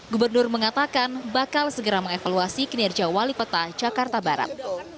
gubernur mengatakan bakal segera mengevaluasi kinerja wali kota jakarta barat